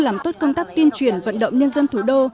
làm tốt công tác tuyên truyền vận động nhân dân thủ đô